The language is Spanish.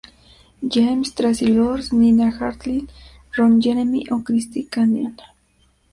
James, Traci Lords, Nina Hartley, Ron Jeremy o Christy Canyon.